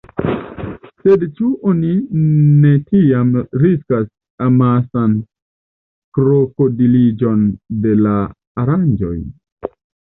Sed ĉu oni ne tiam riskas amasan krokodiliĝon de la aranĝoj?